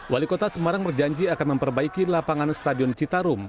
wali kota semarang berjanji akan memperbaiki lapangan stadion citarum